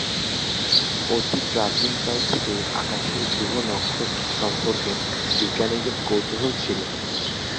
অতি প্রাচীনকাল থেকেই আকাশের গ্রহ-নক্ষত্র সম্পর্কে বিজ্ঞানীদের কৌতূহল ছিল।